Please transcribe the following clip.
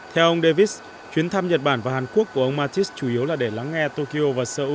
theo ông davis chuyến thăm nhật bản và hàn quốc của ông mattis chủ yếu là để lắng nghe tokyo và seoul